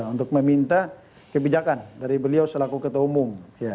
untuk meminta kebijakan dari beliau selaku ketua umum